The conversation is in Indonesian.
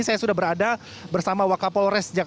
saya sudah berada bersama wakapolres jakarta